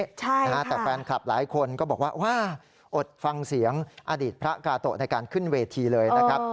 ใช่นะฮะแต่แฟนคลับหลายคนก็บอกว่าว้าอดฟังเสียงอดีตพระกาโตะในการขึ้นเวทีเลยนะครับ